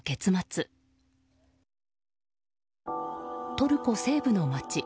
トルコ西部の街。